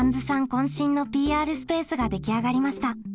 こん身のＰＲスペースが出来上がりました。